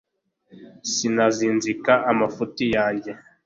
sinazinzika amafuti yanjye